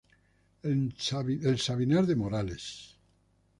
El Sabinar de Morales.